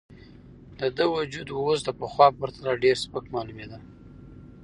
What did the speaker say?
د ده وجود اوس د پخوا په پرتله ډېر سپک معلومېده.